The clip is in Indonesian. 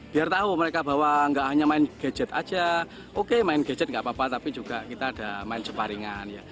biar tahu mereka bahwa nggak hanya main gadget aja oke main gadget nggak apa apa tapi juga kita ada main jeparingan